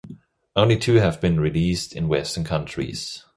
Only two have been released in Western countries.